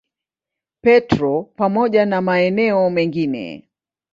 Petro pamoja na maeneo mengine.